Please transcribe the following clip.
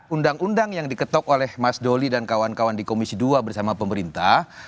undang undang yang diketok oleh mas doli dan kawan kawan di komisi dua bersama pemerintah